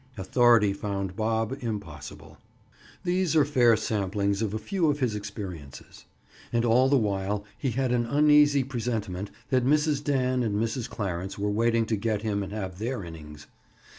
Authority found Bob impossible. These are fair samples of a few of his experiences. And all the while he had an uneasy presentiment that Mrs. Dan and Mrs. Clarence were waiting to get him and have their innings.